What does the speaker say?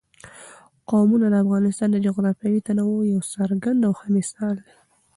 قومونه د افغانستان د جغرافیوي تنوع یو څرګند او ښه مثال دی.